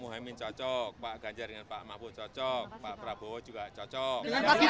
berarti dukung pak ganjar dengan pak prabowo dukung pak anies dengan pak jokowi